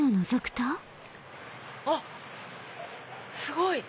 あっすごい！